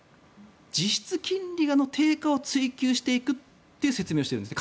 実質金利の低下を追求していくという説明をしているんですね。